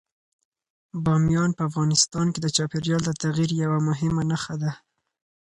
بامیان په افغانستان کې د چاپېریال د تغیر یوه مهمه نښه ده.